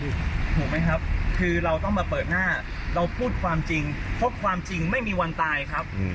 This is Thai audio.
ถูกไหมครับคือเราต้องมาเปิดหน้าเราพูดความจริงเพราะความจริงไม่มีวันตายครับ